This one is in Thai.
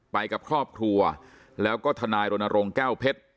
ไปกับครอบครัวแล้วก็ทนายรณรงค์แก้วเพชร